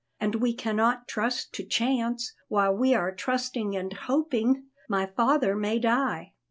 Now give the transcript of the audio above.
And we cannot trust to chance; while we are trusting and hoping, my father may die."